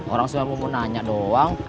orang semua mau mau nanya doang